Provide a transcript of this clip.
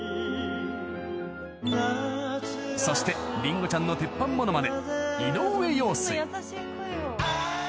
［そしてりんごちゃんの鉄板モノマネ］